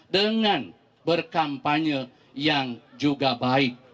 dengan berkampanye yang juga baik